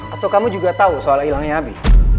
atau kamu juga tau soal ilangnya abi